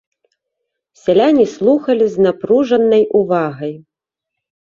Сяляне слухалі з напружанай увагай.